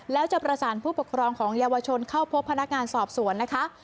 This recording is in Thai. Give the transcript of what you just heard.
แล้วจะประสานผู้ปกครองของเยาวชนเข้าพบพนักงานสอบสวนนะคะ